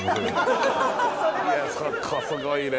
すごいね。